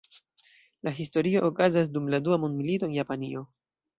La historio okazas dum la dua mondmilito en Japanio.